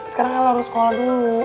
sekarang kamu harus sekolah dulu